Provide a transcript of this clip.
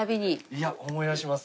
いや思い出します。